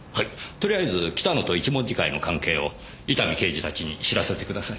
とりあえず北野と一文字会の関係を伊丹刑事たちに知らせてください。